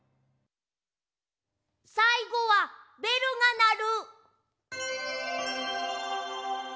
さいごは「べるがなる」。